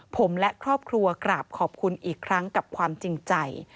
ผมและครอบครัวกราบขอบคุณอีกครั้งกับความจริงใจ